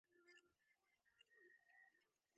ނަމަވެސް އަހަރެން މަޑު ކުރާނީ ރަނގަޅު ދަނޑިވަޅަކަށް